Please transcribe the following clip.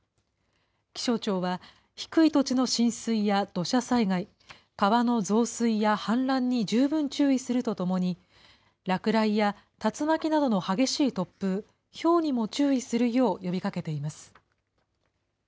気象庁は低い土地の浸水や土砂災害、川の増水や氾濫に十分注意するとともに、落雷や竜巻などの激しい突風、ひょうにも注意するよう呼びかけています。